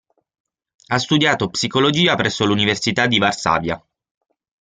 Ha studiato psicologia presso l'Università di Varsavia.